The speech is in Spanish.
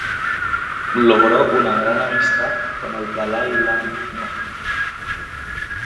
Logró una gran amistad con el Dalai Lama No.